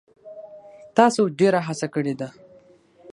تاسو ډیره هڅه کړې ده.